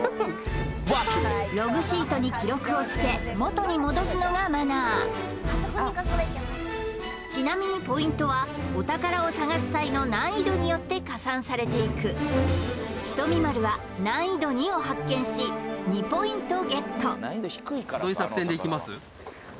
ログシートに記録をつけもとに戻すのがマナーちなみにポイントはお宝を探す際の難易度によって加算されていくひとみ○は難易度２を発見し２ポイントゲット